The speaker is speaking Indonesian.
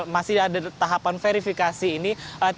masih ada tahapan verifikasi ini